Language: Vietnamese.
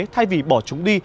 thay vì bỏ chúng đi